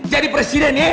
jadi presiden ya